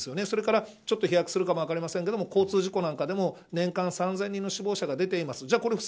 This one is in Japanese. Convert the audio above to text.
それからちょっと飛躍するかもしれませんが交通事故なんかでも年間３０００人の死亡者が出ています。